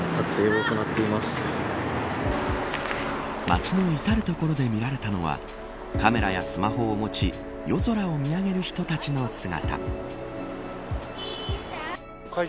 街の至る所で見られたのはカメラやスマホを持ち夜空を見上げる人たちの姿。